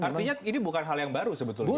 artinya ini bukan hal yang baru sebetulnya